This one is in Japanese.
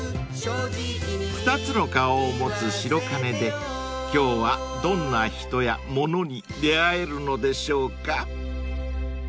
［２つの顔を持つ白金で今日はどんな人や物に出合えるのでしょうか］